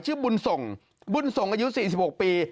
ชื่อบุญสงฯบุญสงฯอายุ๔๖ปี